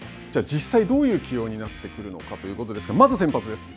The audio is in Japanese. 実際どういう起用になってくるのかということですが、まず先発です。